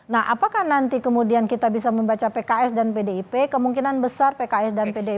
nah apakah nanti kemudian kita bisa membaca pks dan pdip kemungkinan besar pks dan pdip